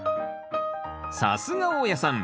さすが大家さん。